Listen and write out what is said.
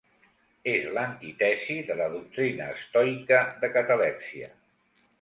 És l'antítesi de la doctrina estoica de catalèpsia.